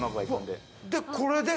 でこれで。